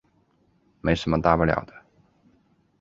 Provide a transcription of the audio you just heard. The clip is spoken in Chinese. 没什么大不了的